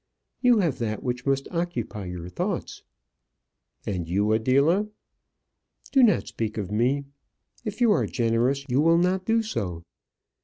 You have that which must occupy your thoughts." "And you, Adela ?" "Do not speak of me. If you are generous, you will not do so.